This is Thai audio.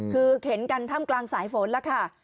คือเข็นกันท่ามกลางสายฝนแล้วค่ะ